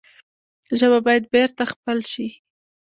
ژبه باید بېرته خپل شي.